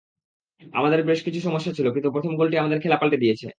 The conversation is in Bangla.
আমাদের বেশ কিছু সমস্যা ছিল, কিন্তু প্রথম গোলটি আমাদের খেলা পাল্টে দিয়েছে।